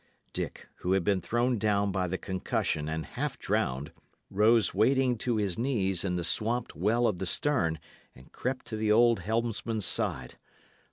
Dick, who had been thrown down by the concussion and half drowned, rose wading to his knees in the swamped well of the stern, and crept to the old helmsman's side.